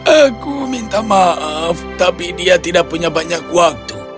aku minta maaf tapi dia tidak punya banyak waktu